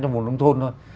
cho một nông thôn thôi